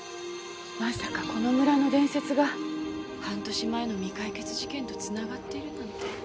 まさかこの村の伝説が半年前の未解決事件と繋がっているなんて。